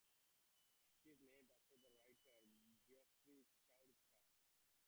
It is named after the writer Geoffrey Chaucer.